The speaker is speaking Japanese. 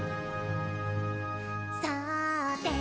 「そうです！」